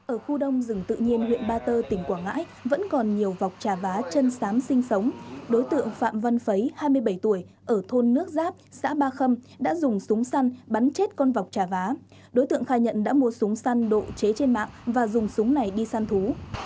ở khu đông rừng tự nhiên huyện ba tơ tỉnh quảng ngãi vẫn còn nhiều vọc trà vá chân sám sinh sống đối tượng phạm văn phấy hai mươi bảy tuổi ở thôn nước giáp xã ba khâm đã dùng súng săn bắn chết con vọc trà vá đối tượng khai nhận đã mua súng săn độ chế trên mạng và dùng súng này đi săn thú